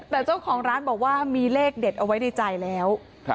แต่เจ้าของร้านบอกว่ามีเลขเด็ดเอาไว้ในใจแล้ว